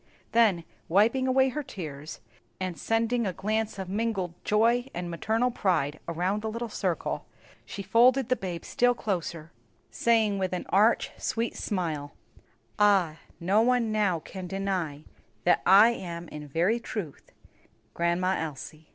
Then, wiping away her tears, and sending a glance of mingled joy and maternal pride around the little circle, she folded the babe still closer, saying, with an arch, sweet smile, "Ah, no one now can deny that I am in very truth Grandma Elsie!"